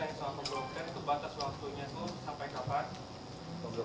tidak ada peringkat nanti dari whatsapp